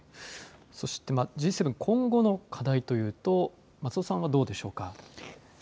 そしてＧ７、今後の課題というと松尾さんはどうでしょうか。